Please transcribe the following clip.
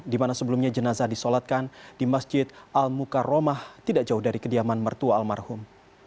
dimana sebelumnya jenazah disolatkan di masjid al mukaromah tidak jauh dari kediaman mertua almarhum